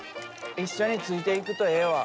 一緒についていくとええわ。